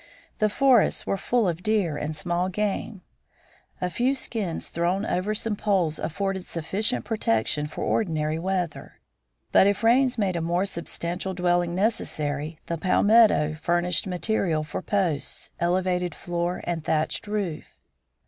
The forests were full of deer and small game. A few skins thrown over some poles afforded sufficient protection for ordinary weather. But if rains made a more substantial dwelling necessary the palmetto furnished material for posts, elevated floor, and thatched roof.